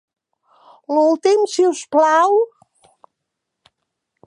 L'últim, si us plau?